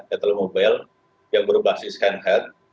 atle mobile yang berbasis handheld